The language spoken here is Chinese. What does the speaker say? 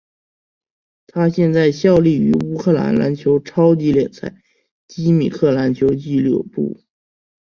他现在效力于乌克兰篮球超级联赛基米克篮球俱乐部。